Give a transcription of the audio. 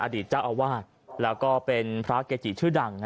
อดีตเจ้าอาวาสแล้วก็เป็นพระเกจิชื่อดัง